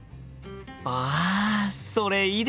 あそれいいですよね！